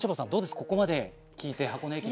ここまで聞いて箱根駅伝。